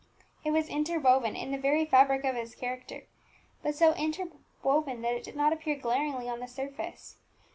It was interwoven in the very fabric of his character; but so interwoven that it did not appear glaringly on the surface.